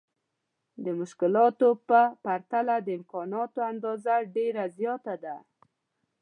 د مشکلاتو په پرتله د امکاناتو اندازه ډېره زياته ده.